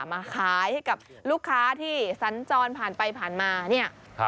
มาขายให้กับลูกค้าที่สัญจรผ่านไปผ่านมาเนี่ย